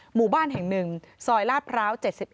หมู่บ้านแห่ง๑ซอยลาดพร้าว๗๑